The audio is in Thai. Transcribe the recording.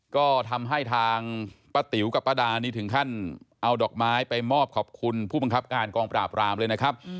ก็ทำให้ทางป้าติ๋วกับป้าดานี่ถึงขั้นเอาดอกไม้ไปมอบขอบคุณผู้บังคับการกองปราบรามเลยนะครับ